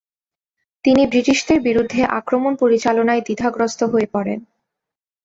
তিনি ব্রিটিশদের বিরুদ্ধে আক্রমণ পরিচালনায় দ্বিধাগ্রস্থ হয়ে পড়েন।